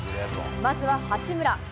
まずは八村。